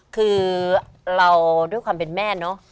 คือเราด้วยความเป็นแม่เนอะ